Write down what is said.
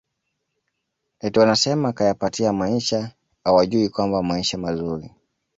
eti wanasema kayapatia maisha hawajui kwamba maisha mazuri